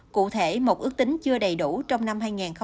cụ thể một ước tính chưa đầy đủ trong năm hai nghìn hai mươi